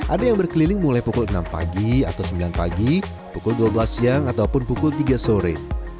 ada yang berkeliling mulai pukul enam pagi atau sembilan pagi pukul dua belas siang ataupun pukul tiga sore